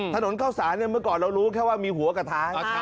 ถนนเข้าสารเมื่อก่อนเรารู้แค่ว่ามีหัวกระทะ